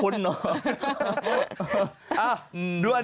โรคโควิด๑๙